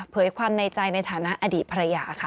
ความในใจในฐานะอดีตภรรยาค่ะ